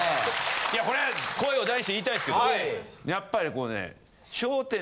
いやこれは声を大にして言いたいんですけどやっぱりこうね。